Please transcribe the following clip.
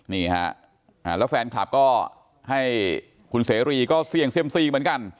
นี่ฮะแล้วแฟนคลับก็ให้คุณเสรีก็เสี่ยงเซียมซีเหมือนกัน